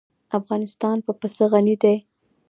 افغانستان په پسه غني دی.